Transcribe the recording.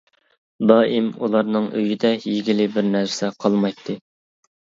دائىم ئۇلارنىڭ ئۆيىدە يېگىلى بىر نەرسە قالمايتتى.